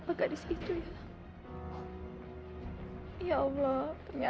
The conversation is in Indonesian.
mas kasih pinjam dong